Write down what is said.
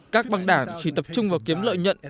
các băng đảng chỉ tập trung vào kiếm lợi nhận